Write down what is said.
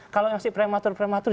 kalau masih prematur prematur